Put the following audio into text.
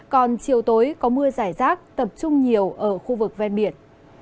còn chiều tối có mưa giải rác tập trung nhiều ở khu vực ven biển